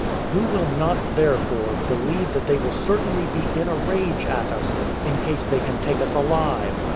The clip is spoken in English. Who will not, therefore, believe that they will certainly be in a rage at us, in case they can take us alive?